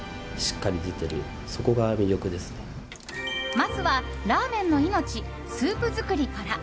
まずはラーメンの命スープ作りから。